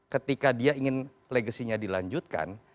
ketika dia ingin legasinya dilanjutkan